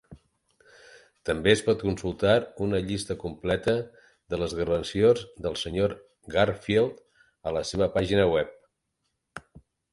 També es pot consultar una llista completa de les gravacions del Sr. Garfield a la seva pàgina web.